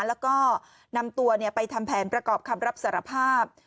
แล้วก็นำตัวไปทำแผนประกอบคำรับสารภาพ